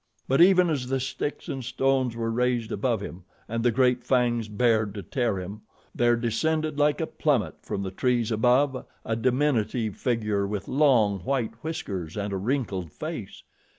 But even as the sticks and stones were raised above him and the great fangs bared to tear him, there descended like a plummet from the trees above a diminutive figure with long, white whiskers and a wrinkled face.